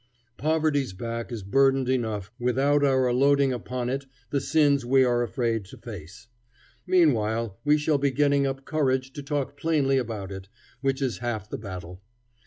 Poverty's back is burdened enough without our loading upon it the sins we are afraid to face. Meanwhile we shall be getting up courage to talk plainly about it, which is half the battle.